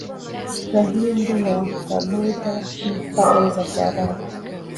Wahindu ni Wabuddha nkFalme za Kiarabu